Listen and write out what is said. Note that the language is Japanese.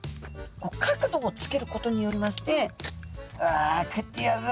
角度をつけることによりまして「うわ食ってやるぞ！